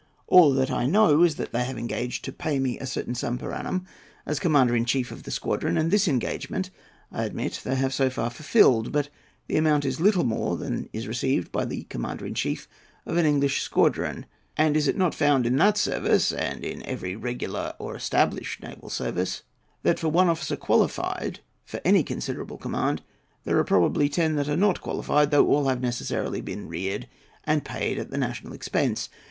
All that I know is they have engaged to pay me a certain sum per annum as commander in chief of the squadron; and this engagement, I admit, they have so far fulfilled. But the amount is little more than is received by the commander in chief of an English squadron; and is it not found in that service, and in every regular or established naval service, that for one officer qualified for any considerable command there are probably ten that are not qualified; though all have necessarily been reared and paid at the national expense?